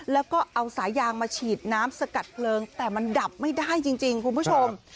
แล้วก็เอาสายางมาฉีดน้ำสกัดเพลิงแต่มันดับไม่ได้จริงคุณผู้ชม